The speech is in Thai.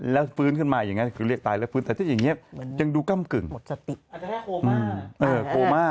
แล้วฟื้นขึ้นมาอย่างนี้คือเรียกตายแล้วฟื้นแต่ถ้าอย่างนี้ยังดูกล้ำกึ่งหมดสติอาจจะแรกโครมา